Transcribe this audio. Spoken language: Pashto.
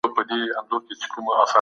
چي هر څه تلاښ کوې نه به ټولیږي